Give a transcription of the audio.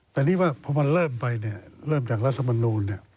แต่นี่คือ่ะว่าคนมันเริ่มไปเริ่มจากรัฐบนโลน